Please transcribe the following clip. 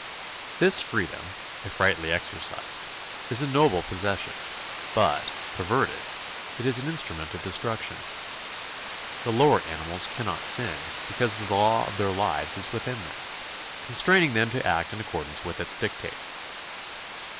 This freedom, if rightly exercised, is a noble possession, but, perverted, it is an instrument of destruction. The lower animals cannot sin because the law of their lives is within them, constraining them to act in accordance with its dictates.